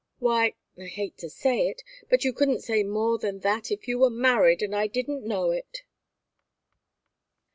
Why I hate to say it but you couldn't say more than that if you were married and I didn't know it!"